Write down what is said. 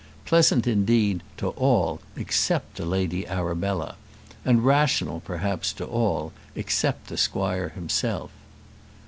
Pleasant, indeed, to all except the Lady Arabella; and rational, perhaps, to all except the squire himself.